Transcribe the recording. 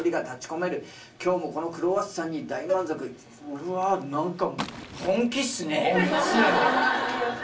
うわぁ何か。